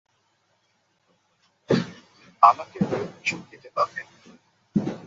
আমাকে ওর চুল দিতে পারবে?